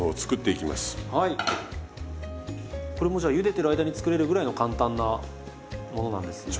これもじゃあゆでてる間に作れるぐらいの簡単なものなんですね？